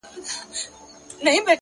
تا راته نه ويل چي نه کوم ضديت شېرينې!